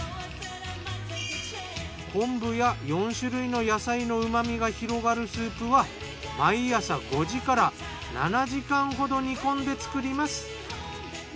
昆布や４種類の野菜の旨みが広がるスープは毎朝５時から７時間ほど煮込んで作ります。